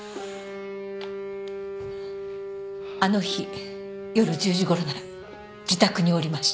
あの日夜１０時ごろなら自宅におりました。